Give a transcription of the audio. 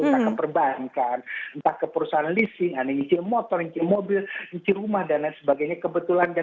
entah ke perbankan entah ke perusahaan leasing anda ngincil motor ngincil mobil ngincil rumah dan lain sebagainya